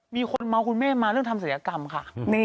มีคนเมาคุณแม่มาเรื่องทำศัลยกรรมค่ะ